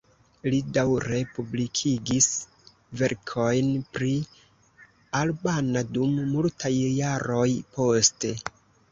Li daŭre publikigis verkojn pri albana dum multaj jaroj poste.